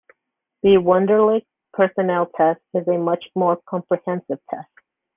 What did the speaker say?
The Wonderlic Personnel Test is a much more comprehensive test.